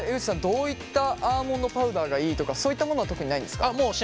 どういったアーモンドパウダーがいいとかそういったものは特にないんですか？